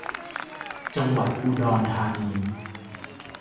จังหวัดอุดรธานี